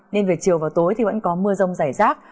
nên về chiều và tối vẫn có mưa rồng rải rác